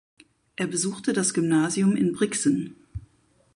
Er besuchte das Gymnasium in Brixen.